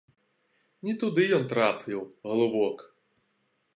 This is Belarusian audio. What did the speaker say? Не туды ён трапіў, галубок!